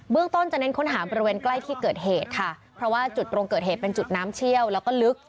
ต้นจะเน้นค้นหาบริเวณใกล้ที่เกิดเหตุค่ะเพราะว่าจุดตรงเกิดเหตุเป็นจุดน้ำเชี่ยวแล้วก็ลึก